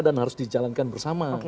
dan harus dijalankan bersama